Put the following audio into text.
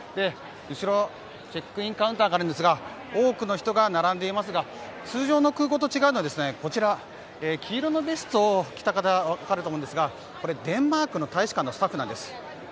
後ろ、チェックインカウンターがあるんですが多くの人が並んでいますが通常の空港と違うのは黄色のベストを着た方分かると思うんですがデンマークの大使館のスタッフなんです。